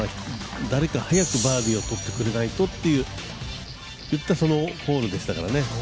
誰か早くバーディーをとってくれないとといったホールでしたからね。